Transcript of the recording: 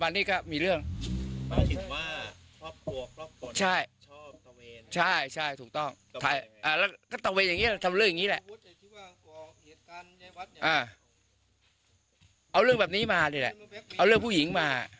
นี่ก่อนบ้านนี้ครับมีเรื่อง